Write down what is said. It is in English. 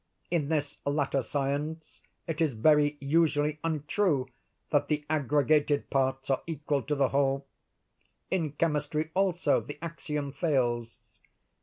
In this latter science it is very usually untrue that the aggregated parts are equal to the whole. In chemistry also the axiom fails.